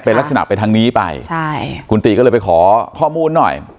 เป็นลักษณะไปทางนี้ไปใช่คุณตีก็เลยไปขอข้อมูลหน่อย